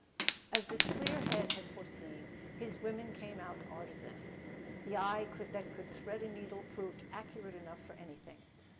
As this clear head had foreseen, his women came out artisans. The eye that could thread a needle proved accurate enough for anything.